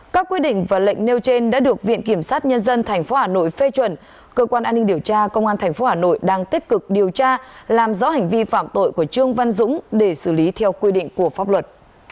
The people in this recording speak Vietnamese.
các quy định và lệnh nêu trên đã được viện kiểm sát nhân dân tp hà nội phê chuẩn cơ quan an ninh điều tra công an tp hà nội đang tích cực điều tra làm rõ hành vi phạm tội của trương văn dũng để xử lý theo quy định của pháp luật